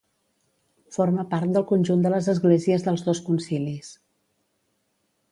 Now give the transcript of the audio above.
Forma part del conjunt de les Esglésies dels dos concilis.